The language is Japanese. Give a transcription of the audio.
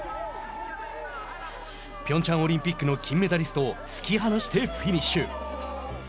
ピョンチャンオリンピックの金メダリストを突き放してフィニッシュ。